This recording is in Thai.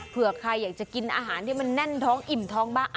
เผื่อใครอยากจะกินอาหารที่มันแน่นท้องอิ่มท้องบ้าง